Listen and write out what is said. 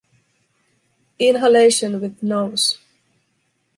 Inhalation with nose.